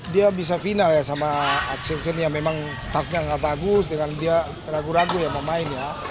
dia bisa final ya sama aksin sen yang memang startnya gak bagus dengan dia ragu ragu ya memain ya